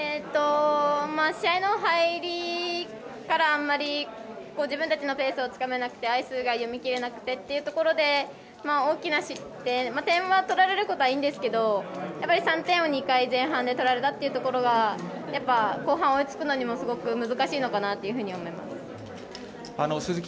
試合の入りからあんまり自分たちのペースをつかめなくて、アイスが読みきれなくてっていうところで大きな失点、点は取られることはいいんですけど３点を２回前半で取られたというところがやっぱり、後半追いつくのもすごく難しいのかなというふうに思います。